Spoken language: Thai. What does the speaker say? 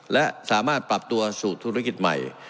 และสามารถปรับตัวสู่ธุรกิจใหม่